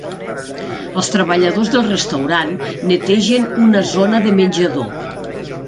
Els treballadors del restaurant netegen una zona de menjador.